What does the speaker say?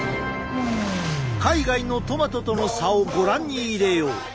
海外のトマトとの差をご覧に入れよう。